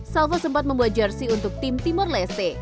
salva sempat membuat jersey untuk tim timor leste